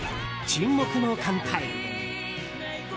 「沈黙の艦隊」。